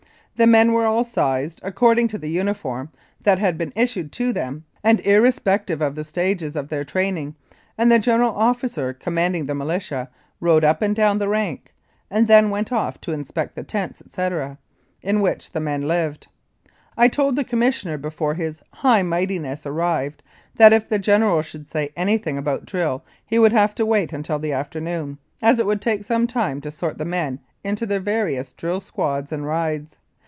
The men were all "sized" according to the uniform that had been issued to them and irre spective of the stages of their training, and the General Officer Commanding the Militia rode up and down the rank, and then went off to inspect the tents, etc., in which the men lived. I told the Commissioner before his "High Mightiness" arrived that if the General should say anything about drill he would have to wait until the afternoon, as it would take some time to sort the men into their various drill squads and rides.